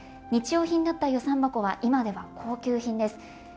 日用品だった遊山箱は今では高級品です。